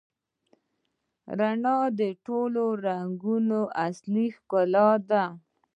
رڼا د ټولو رنګونو اصلي ښکلا ده.